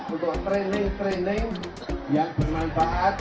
untuk training training yang bermanfaat